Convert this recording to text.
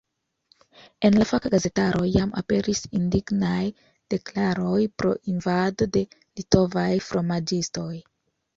En la faka gazetaro jam aperis indignaj deklaroj pro invado de litovaj fromaĝistoj.